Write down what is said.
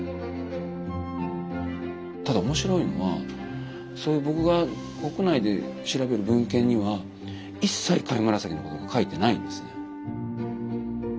ただ面白いのはそういう僕が国内で調べる文献には一切貝紫のことが書いてないんですね。